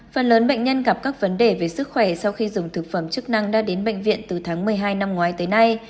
phần lớn bệnh nhân gặp các vấn đề về sức khỏe sau khi dùng thực phẩm chức năng đã đến bệnh viện từ tháng một mươi hai năm ngoái tới nay